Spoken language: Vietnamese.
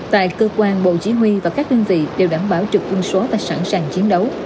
tại cơ quan bộ chí huy và các đơn vị đều đảm bảo trực quân số và sẵn sàng chiến đấu